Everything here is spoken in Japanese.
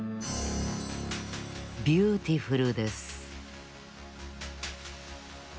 ビューティフルです